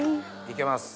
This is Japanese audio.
行けます。